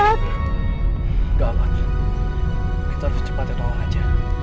gak apa apa kita harus cepatnya tolong raja